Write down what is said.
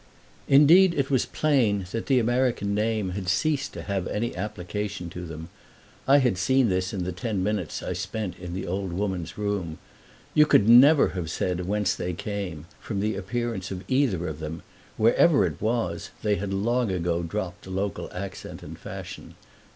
Indeed it was plain that the American name had ceased to have any application to them I had seen this in the ten minutes I spent in the old woman's room. You could never have said whence they came, from the appearance of either of them; wherever it was they had long ago dropped the local accent and fashion.